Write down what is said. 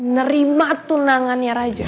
nerima tunangannya raja